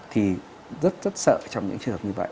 thì rất rất sợ trong những trường hợp như vậy